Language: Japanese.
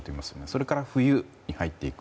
それから冬に入っていく。